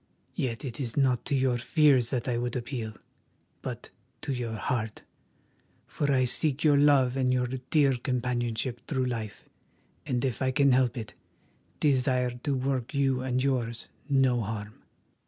Yet it is not to your fears that I would appeal, but to your heart, for I seek your love and your dear companionship through life, and, if I can help it, desire to work you and yours no harm."